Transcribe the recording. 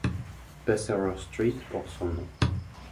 Besserer Street porte son nom.